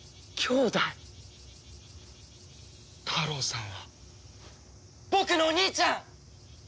タロウさんは僕のお兄ちゃん！